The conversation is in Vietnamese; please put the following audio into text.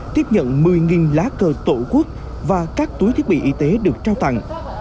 tiếp nhận một mươi lá cờ tổ quốc và các túi thiết bị y tế được trao tặng